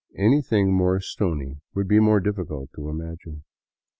Anything more stony would be difficult to imagine.